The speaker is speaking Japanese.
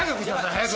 早く。